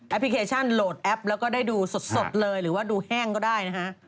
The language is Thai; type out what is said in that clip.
พลิเคชันโหลดแอปแล้วก็ได้ดูสดเลยหรือว่าดูแห้งก็ได้นะฮะ